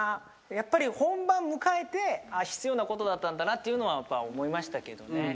やっぱり本番迎えて必要なことだったんだなっていうのは思いましたけどね。